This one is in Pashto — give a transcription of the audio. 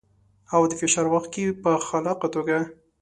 او د فشار وخت کې په خلاقه توګه.